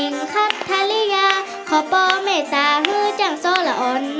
น้องซอค่ะ